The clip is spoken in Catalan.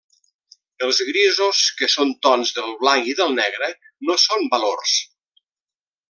Els grisos, que són tons del blanc i del negre, no són valors.